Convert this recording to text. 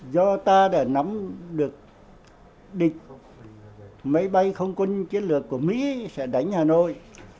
do ta đã nắm được địch máy bay không quân chiến lược của mỹ sẽ đánh hà nội